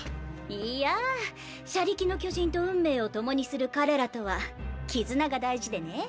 いや「車力の巨人」と運命を共にする彼らとは絆が大事でね。